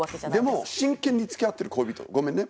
でも真剣に付き合ってる恋人ごめんね